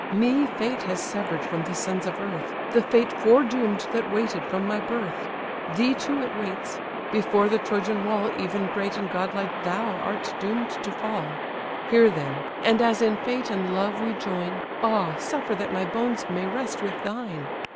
Me fate has sever'd from the sons of earth, The fate fore doom'd that waited from my birth: Thee too it waits; before the Trojan wall Even great and godlike thou art doom'd to fall. Hear then; and as in fate and love we join, Ah suffer that my bones may rest with thine!